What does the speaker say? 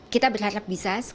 kita berharap bisa